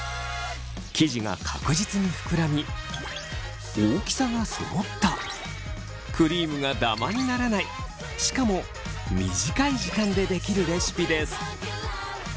生地が確実にふくらみ大きさがそろったクリームがダマにならないしかも短い時間でできるレシピです。